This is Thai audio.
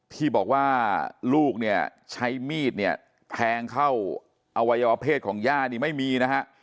ที่บอกว่าลูกเนี่ยใช้มีดเนี่ยแทงเข้าอวัยวเพศของย่านี่ไม่มีนะฮะ